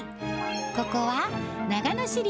ここは長野市立